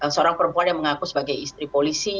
seorang perempuan yang mengaku sebagai istri polisi